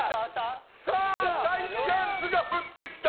さあ大チャンスが降ってきた。